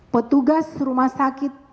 petugas rumah sakit